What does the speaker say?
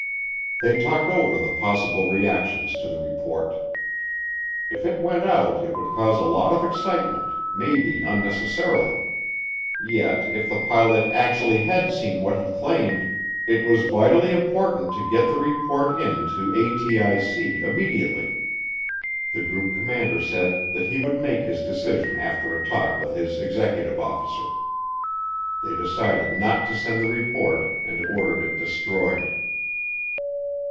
They talked over the possible reactions to the report. If it went out it would cause a lot of excitement, maybe unnecessarily. Yet, if the pilot actually had seen what he claimed, it was vitally important to get the report in to ATIC immediately. The group commander said that he would made his decision after a talk with his executive officer. They decided not to send the report and ordered it destroyed.